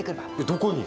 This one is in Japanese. どこに？